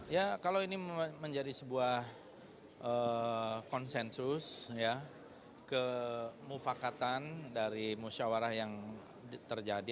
ya kalau ini menjadi sebuah konsensus kemufakatan dari musyawarah yang terjadi